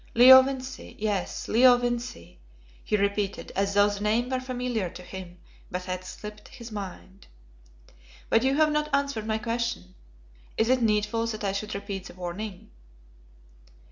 "Leo Vincey, yes, Leo Vincey," he repeated, as though the name were familiar to him but had slipped his mind. "But you have not answered my question. Is it needful that I should repeat the warning?"